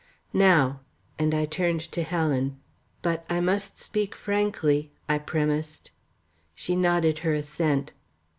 Now!" and I turned to Helen. "But I must speak frankly," I premised. She nodded her assent.